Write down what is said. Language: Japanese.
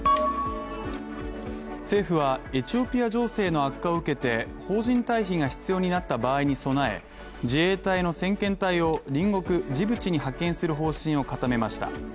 政府は、エチオピア情勢の悪化を受けて、邦人退避が必要になった場合に備え自衛隊の先遣隊を隣国ジブチに派遣する方針を固めました。